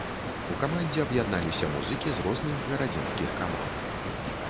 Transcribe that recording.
У камандзе аб'ядналіся музыкі з розных гарадзенскіх каманд.